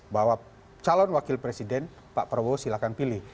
bahwa calon wakil presiden pak prabowo silahkan pilih